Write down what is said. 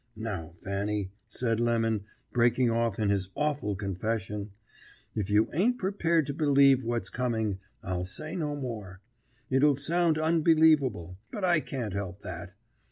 Now Fanny,' said Lemon, breaking off in his awful confession, 'if you ain't prepared to believe what's coming, I'll say no more. It'll sound unbelievable, but I can't help that.